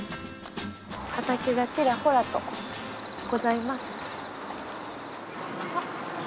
畑がちらほらとございます。